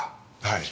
はい。